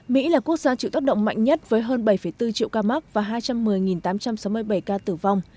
mỹ là quốc gia chịu tác động mạnh nhất với hơn bảy bốn triệu ca mắc và hai trăm một mươi tám trăm sáu mươi bảy ca tử vong